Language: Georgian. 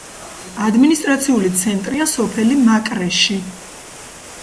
ადმინისტრაციული ცენტრია სოფელი მაკრეში.